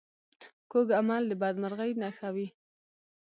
کوږ عمل د بدمرغۍ نښه وي